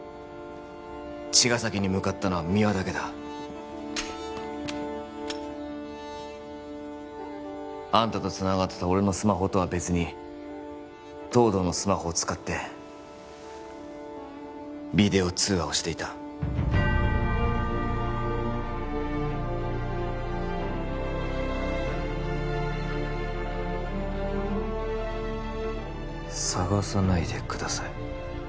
茅ヶ崎に向かったのは三輪だけだあんたとつながってた俺のスマホとは別に東堂のスマホを使ってビデオ通話をしていた「探さないで下さい」